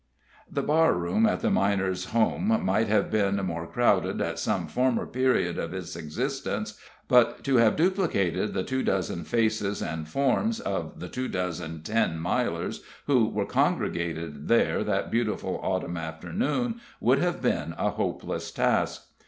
The barroom at the Miners' Home might have been more crowded at some former period of its existence, but to have duplicated the two dozen faces and forms of the two dozen Ten Milers who were congregated there that beautiful Autumn afternoon would have been a hopeless task.